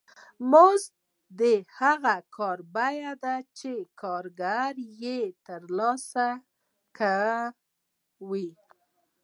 مزد د هغه کار بیه ده چې کارګر یې ترسره کوي